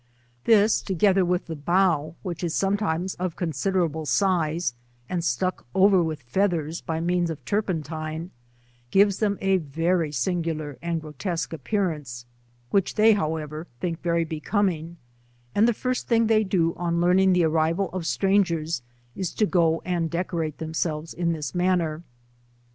This, together with the bough, which is sometimes of considerable size, and stuck over with feathers by means of turpentine, gives them a very singular and gro tesque appearance, which they, however, think very becoming, and the first thing they do on learning the arrival of strangers, is to go and de corate themselves in this manner.